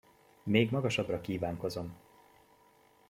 Még magasabbra kívánkozom!